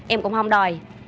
em cũng không đòi